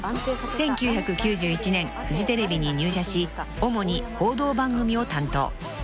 ［１９９１年フジテレビに入社し主に報道番組を担当］